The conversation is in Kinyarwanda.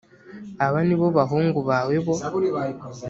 aba ni bo bahungu bawe bo